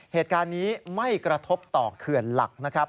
เหตุการณ์นี้ไม่กระทบต่อเขื่อนหลักนะครับ